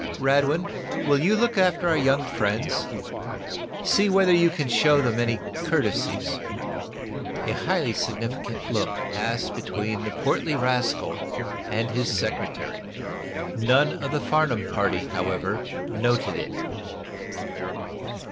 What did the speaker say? Radwin, will you look after our young friends? See whether you can show them any courtesies." A highly significant look passed between the portly rascal and his secretary. None of the Farnum party, however, noted it.